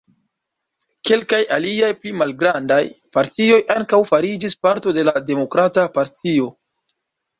Kelkaj aliaj pli malgrandaj partioj ankaŭ fariĝis parto de la Demokrata Partio.